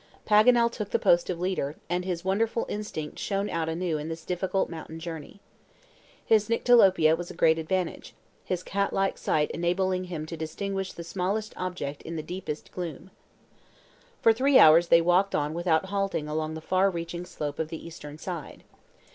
Paganel took the post of leader, and his wonderful instinct shone out anew in this difficult mountain journey. His nyctalopia was a great advantage, his cat like sight enabling him to distinguish the smallest object in the deepest gloom. For three hours they walked on without halting along the far reaching slope of the eastern side.